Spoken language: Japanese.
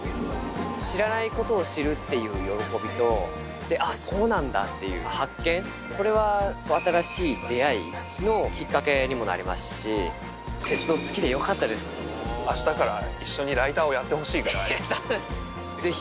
知らないことを知るっていう喜びと、そうなんだっていう発見、それは新しい出会いのきっかけにもなりますし、鉄道好きでよかっあしたから一緒にライターをぜひ。